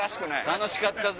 楽しかったぜ！